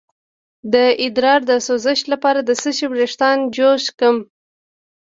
د ادرار د سوزش لپاره د څه شي ویښتان جوش کړم؟